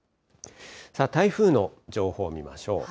台風の情報を見ましょう。